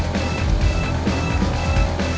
saya kenapa kang